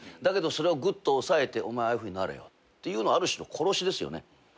だけどそれをぐっと抑えて「お前ああいうふうになれよ」っていうのはある種の殺しですよね。